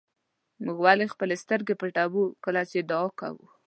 ولې موږ خپلې سترګې پټوو کله چې دعا کوو.